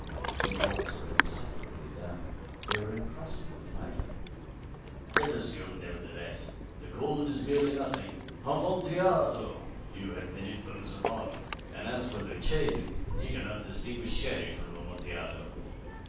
The vaults are insufferably damp. They are encrusted with nitre." "Let us go, nevertheless. The cold is merely nothing. Amontillado! You have been imposed upon. And as for Luchesi, he cannot distinguish Sherry from Amontillado."